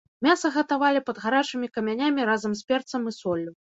Мяса гатавалі пад гарачымі камянямі разам з перцам і соллю.